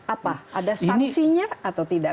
apa ada sanksinya atau tidak